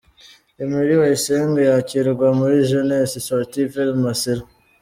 Emery Bayisenge yakirwa muri Jeunesse Sportive El Massira.